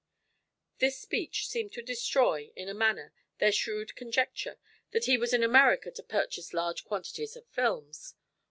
This speech seemed to destroy, in a manner, their shrewd conjecture that he was in America to purchase large quantities of films.